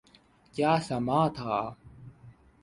کیا سماں تھا۔